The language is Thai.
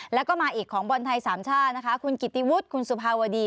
แล้วก็มาอีกของบอลไทยสามชาตินะคะคุณกิติวุฒิคุณสุภาวดี